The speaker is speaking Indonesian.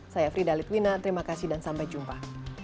saya frida litwina terima kasih dan sampai jumpa